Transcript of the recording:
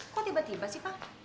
kok tiba tiba sih pak